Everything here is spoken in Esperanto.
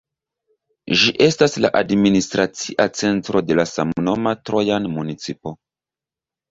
Ĝi estas la administracia centro de la samnoma Trojan Municipo.